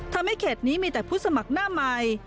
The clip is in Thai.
ทำให้เขตนี้มีแต่ผู้สมัครหน้าใหม่